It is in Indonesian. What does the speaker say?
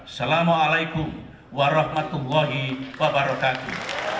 assalamualaikum warahmatullahi wabarakatuh